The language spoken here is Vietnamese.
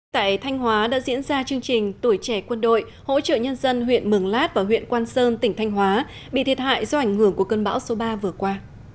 tại thanh hóa đã diễn ra chương trình tuổi trẻ quân đội hỗ trợ nhân dân huyện mường lát và huyện quan sơn tỉnh thanh hóa bị thiệt hại do ảnh hưởng của cơn bão số ba vừa qua